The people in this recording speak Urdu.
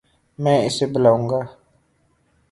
میں اسے بلاوں گا